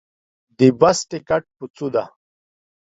د بس ټکټ په څو ده